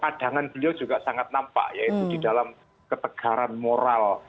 kepadangan beliau juga sangat nampak ya itu di dalam ketegaran moral